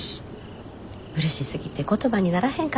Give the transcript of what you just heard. うれしすぎて言葉にならへんかったかな。